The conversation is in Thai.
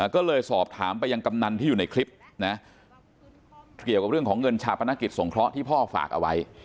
ก็เลยสอบถามไปยังกำนันที่อยู่ในคลิปนะเกี่ยวกับเรื่องของเงินชาปนกิจสงเคราะห์ที่พ่อฝากเอาไว้